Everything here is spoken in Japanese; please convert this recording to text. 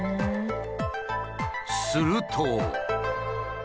すると。